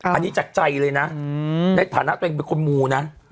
อันนี้จากใจเลยนะในฐานะตัวเองเป็นคนมูนะ